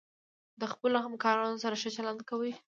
د خپلو همکارانو سره ښه چلند کوئ.